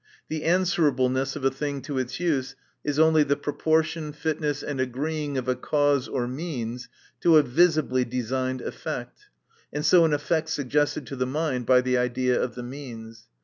The answerableness of a thing to its use is only the proportion, fitness, and agree ing of a cause or means to a visibly designed effect, and so an effect suggested to the mind by the idea of the means.